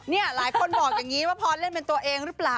นี่หลายคนบอกอย่างนี้ว่าพรเล่นเป็นตัวเองหรือเปล่า